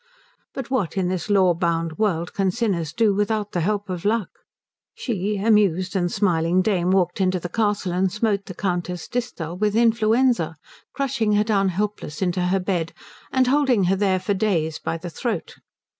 But what in this law bound world can sinners do without the help of Luck? She, amused and smiling dame, walked into the castle and smote the Countess Disthal with influenza, crushing her down helpless into her bed, and holding her there for days by the throat.